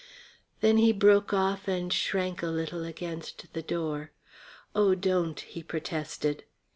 Then he broke off and shrank a little against the door. "Oh, don't," he protested.